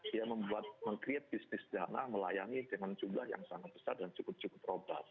dia membuat meng create bisnis dana melayani dengan jumlah yang sangat besar dan cukup cukup roba